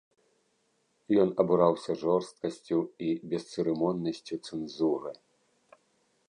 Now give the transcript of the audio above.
Ён абураўся жорсткасцю і бесцырымоннасцю цэнзуры.